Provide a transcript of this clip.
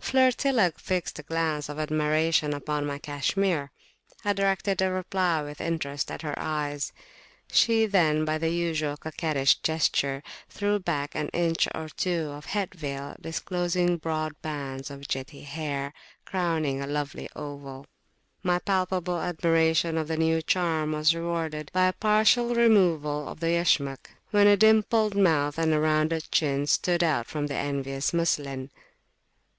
Flirtilla fixed a glance of admiration upon my cashmere. I directed a reply with interest at her eyes. She then by the usual coquettish gesture, threw back an inch or two of head veil, disclosing broad bands of jetty hair, crowning a lovely oval. My palpable admiration of the new charm was rewarded by a partial removal of the Yashmak, when a dimpled mouth and a rounded chin stood out from the envious muslin.